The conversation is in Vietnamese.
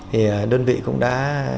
thì đơn vị cũng đã